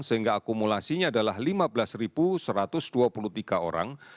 sehingga akumulasinya adalah lima belas satu ratus dua puluh tiga orang